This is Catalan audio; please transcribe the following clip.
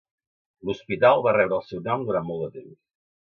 L'Hospital va rebre el seu nom durant molt de temps.